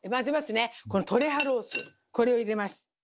この「トレハロース」これを入れます。